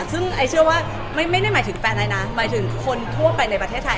ซึ่งไอเชื่อว่าไม่ได้หมายถึงแฟนไอซ์นะหมายถึงคนทั่วไปในประเทศไทย